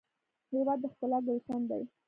هېواد د ښکلا ګلشن دی.